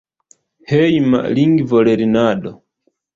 Hejma lingvolernado.